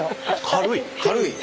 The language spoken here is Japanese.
軽い。